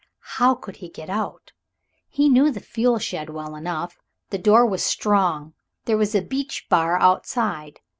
How could he get out? He knew the fuel shed well enough. The door was strong, there was a beech bar outside.